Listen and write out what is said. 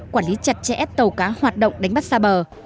quản lý chặt chẽ tàu cá hoạt động đánh bắt xa bờ